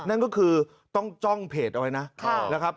นั่นก็คือต้องจองเพจไว้นะ